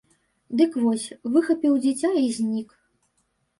Дык вось, выхапіў дзіця і знік.